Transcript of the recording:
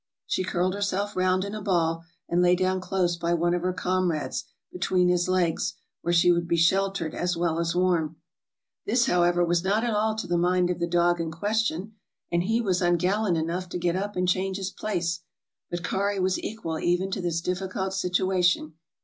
She curled herself round in a ball and lay down close by one of her comrades, between his legs, where she would be sheltered as well as warm. This, however, was not at all to the mind of the dog in question, and he was ungallant enough to get up and change his place. But 'Kari' was equal even to this difficult situation.